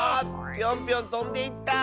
ピョンピョンとんでいった！